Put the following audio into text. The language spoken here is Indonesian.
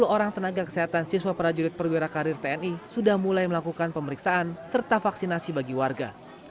sepuluh orang tenaga kesehatan siswa prajurit perwira karir tni sudah mulai melakukan pemeriksaan serta vaksinasi bagi warga